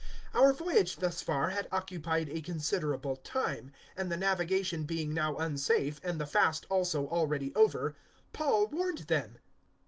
027:009 Our voyage thus far had occupied a considerable time, and the navigation being now unsafe and the Fast also already over, Paul warned them.